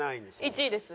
１位です。